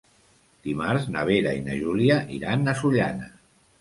Dimarts na Vera i na Júlia iran a Sollana.